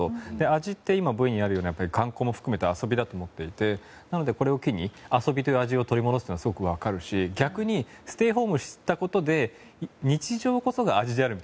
味って今、ＶＴＲにあるように観光も含めた遊びだと思っていてこれを機に遊びという味を取り戻すのはすごく分かるし逆にステイホームしたことで日常こそが味であると。